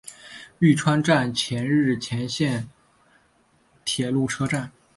玉川站千日前线的铁路车站。